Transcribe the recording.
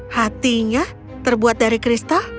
hatinya terbuat dari kristal